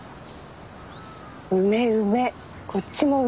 梅梅こっちも梅。